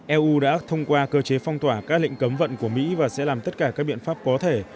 eu đã thông qua cơ chế phong tỏa các lệnh cấm vận của mỹ và sẽ làm tất cả các biện pháp có thể